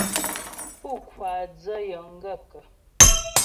Pú ŋkwáa dzə́ yəŋ gaə̂kə̀ ?